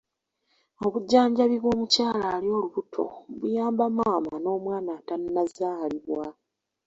Obujjanjabi bw'omukyala ali olubuto buyamba maama n'omwana atannazaalibwa.